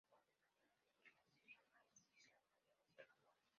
Continuó operando entre las Islas Marshall, Islas Marianas y el Japón.